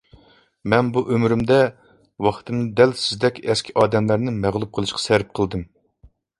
مەن بۇ ئۆمرۈمدە، ۋاقتىمنى دەل سىزدەك ئەسكى ئادەملەرنى مەغلۇپ قىلىشقا سەرپ قىلدىم.